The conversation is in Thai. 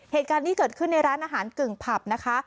เหตุการณ์นี้เกิดขึ้นในร้านอาหารกึ่งผับนะคะ